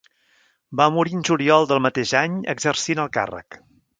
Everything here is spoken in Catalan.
Va morir en juliol del mateix any exercint el càrrec.